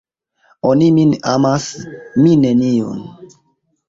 Oni min amas, mi neniun!